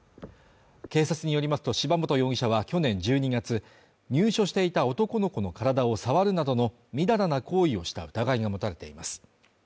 警察によりますと柴本容疑者は去年１２月、入所していた男の子の体を触るなどのみだらな行為をした疑いが持たれています。